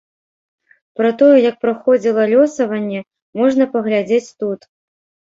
Пра тое, як праходзіла лёсаванне, можна паглядзець тут.